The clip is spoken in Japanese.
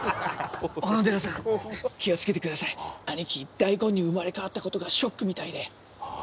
オノデラさん気をつけてください兄貴大根に生まれ変わったことがショックみたいでああ